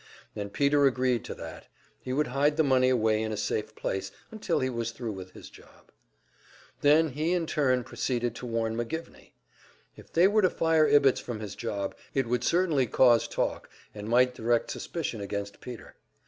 And Peter agreed to that; he would hide the money away in a safe place until he was thru with his job. Then he in turn proceeded to warn McGivney. If they were to fire Ibbetts from his job, it would certainly cause talk, and might direct suspicion against Peter.